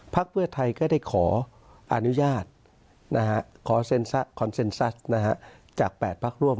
พักเพื่อไทยได้ขออนุญาตจาก๘พักร่วม